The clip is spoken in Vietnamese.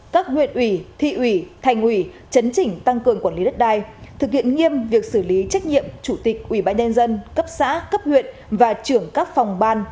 các huyện ủy thị ủy thành ủy chấn chỉnh tăng cường quản lý đất đai thực hiện nghiêm việc xử lý trách nhiệm chủ tịch ủy ban nhân dân cấp xã cấp huyện và trưởng các phòng ban